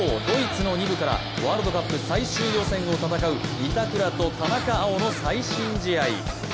ドイツの２部からワールドカップ最終予選を戦う板倉と田中碧の最新試合。